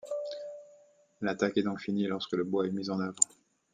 L’attaque est donc finie lorsque le bois est mis en œuvre.